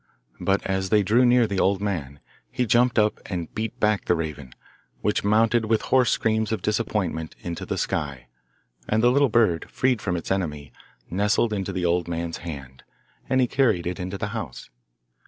But as they drew near the old man, he jumped up, and beat back the raven, which mounted, with hoarse screams of disappointment, into the sky, and the little bird, freed from its enemy, nestled into the old man's hand, and he carried it into the house.